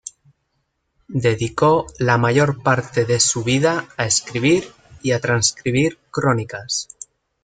Dedicó la mayor parte de su vida a escribir y transcribir crónicas.